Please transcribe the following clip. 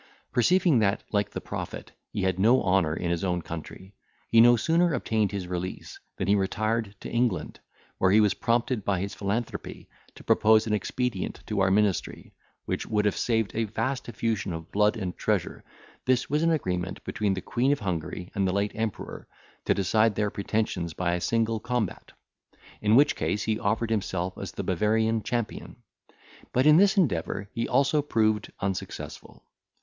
Perceiving that, like the prophet, he had no honour in his own country, he no sooner obtained his release, than he retired to England, where he was prompted by his philanthropy to propose an expedient to our ministry, which would have saved a vast effusion of blood and treasure; this was an agreement between the Queen of Hungary and the late Emperor, to decide their pretensions by a single combat; in which case he offered himself as the Bavarian champion; but in this endeavour he also proved unsuccessful.